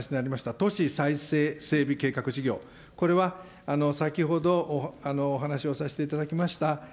都市再生整備計画事業、これは先ほどお話をさせていただきました